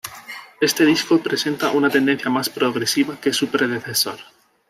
Este disco presenta una tendencia más progresiva que su predecesor.